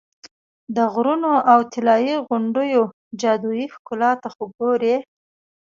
د غرونو او طلایي غونډیو جادویي ښکلا ته خو ګورې.